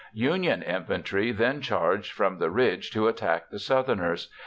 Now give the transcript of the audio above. ] Union infantry then charged from the ridge to attack the Southerners.